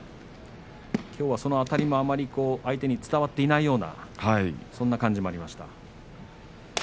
きょうは、そのあたりも相手に伝わっていないようなそんな感じがありました。